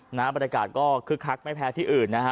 หน้าบรรยากาศก็คึกคักไม่แพ้ที่อื่นนะฮะ